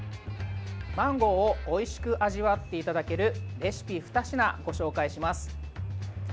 マンゴーをおいしく味わっていただけるレシピ２品ご紹介します。